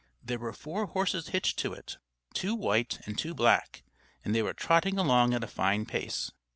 There were four horses hitched to it, two white, and two black; and they were trotting along at a fine pace.